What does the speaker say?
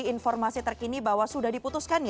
informasi terkini bahwa sudah diputuskan